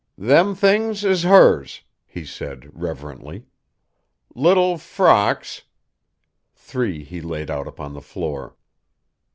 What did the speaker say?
"Them things is hers!" he said reverently. "Little frocks " Three he laid out upon the floor.